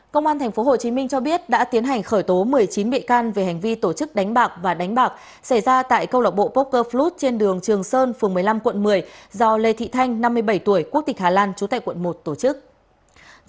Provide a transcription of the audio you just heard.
công an tp hcm cho biết đã tiến hành khởi tố một mươi chín bị can về hành vi tổ chức đánh bạc và đánh bạc xảy ra tại câu lộc bộ poker fluet trên đường trường sơn phường một mươi năm quận một mươi do lê thị thanh năm mươi bảy tuổi quốc tịch hà lan chú tệ quận một tổ chức